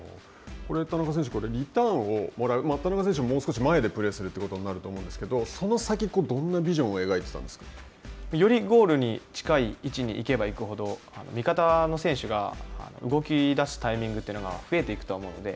田中選手、リターンをもらう、田中選手ももう少し前でプレーするということになると思うんですけれども、その先、どんなビジョよりゴールに近い位置に行けば行くほど味方の選手が動きだすタイミングというのが増えていくと思うので。